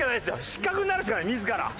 失格になるしかない自ら。